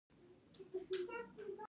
کوچني خو مهم توپیرونه.